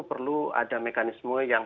perlu ada mekanisme yang